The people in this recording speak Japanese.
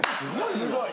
すごいよ。